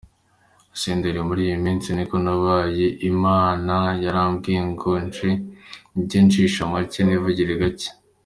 Senderi: Muri iyi minsi niko nabaye, Imana yarambwiye ngo njye ncisha make nivugire gakeya.